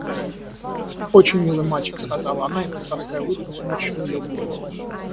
Очень милый мальчик, — сказала она, и плутовская улыбка сморщила ее губы.